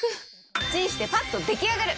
チンしてパッと出来上がる！